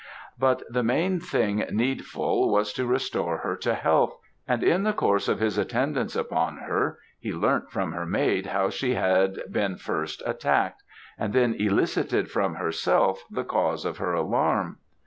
"But the main thing needful, was to restore her to health; and in the course of his attendance on her, he learnt from her maid how she had been first attacked; and then elicited from herself, the cause of her alarm.